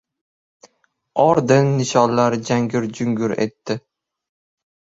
Orden-nishonlari jangir-jungur etdi.